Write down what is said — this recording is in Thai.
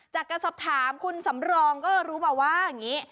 จากการสอบถามคุณสำรองก็รู้มาว่าอย่างนี้